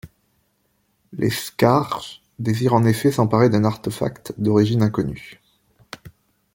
Les Skaarjs désirent en effet s'emparer d'un artefact d'origine inconnu.